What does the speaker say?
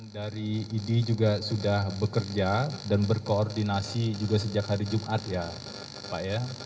dari idi juga sudah bekerja dan berkoordinasi juga sejak hari jumat ya pak ya